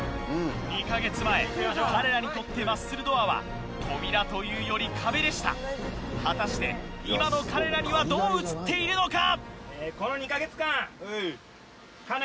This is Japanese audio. ２か月前彼らにとってマッスルドアは扉というより壁でした果たして今の彼らにはどう映っているのか？